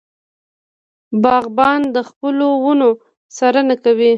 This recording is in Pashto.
باغبان د خپلو ونو څارنه کوي.